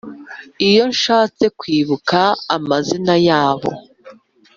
iyo nshatse kwibuka amazina yabo